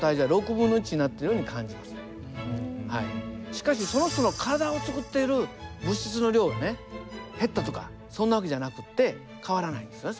しかしその人の体をつくっている物質の量がね減ったとかそんな訳じゃなくって変わらないんですよね